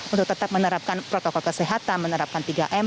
untuk tetap menerapkan protokol kesehatan menerapkan tiga m